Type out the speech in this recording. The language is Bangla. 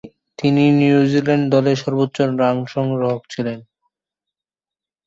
তিনি নিউজিল্যান্ড দলের সর্বোচ্চ রান সংগ্রাহক ছিলেন।